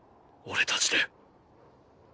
俺たちで。